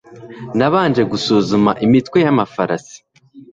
Nabanje gusuzuma imitwe yamafarasi